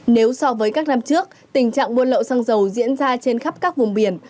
nếu so với các năm trước tình trạng mua lậu sang dầu diễn ra trên khắp các vùng biển